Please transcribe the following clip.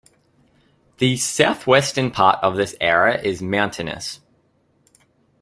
The southwestern part of this area is mountainous.